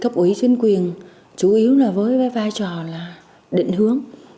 cấp ủy chính quyền chủ yếu là với vai trò là định hướng